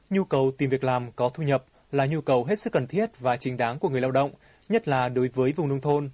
nhu cầu tìm việc làm có thu nhập là nhu cầu hết sức cần thiết và chính đáng của người lao động nhất là đối với vùng nông thôn